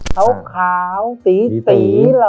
เขาขาวตีหล่อ